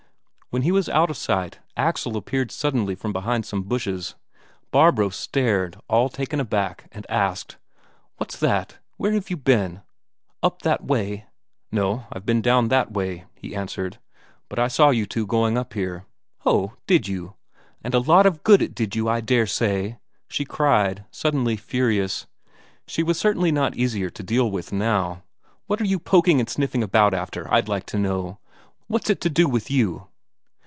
When he was out of sight, Axel appeared suddenly from behind some bushes. Barbro started, all taken aback, and asked: "What's that where have you been? Up that way?" "No; I've been down that way," he answered. "But I saw you two going up here." "Ho, did you? And a lot of good it did you, I dare say," she cried, suddenly furious. She was certainly not easier to deal with now. "What are you poking and sniffing about after, I'd like to know? What's it to do with you?"